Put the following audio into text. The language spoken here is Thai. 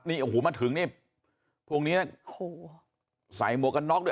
นี่โอ้โหมาถึงนี่พวกนี้นะโอ้โหใส่หมวกกันน็อกด้วย